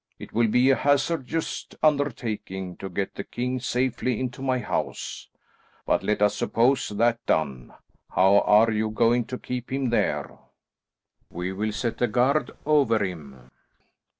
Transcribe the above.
It will be a hazardous undertaking to get the king safely into my house, but let us suppose that done. How are you going to keep him there?" "We will set a guard over him."